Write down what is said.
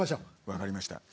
分かりました。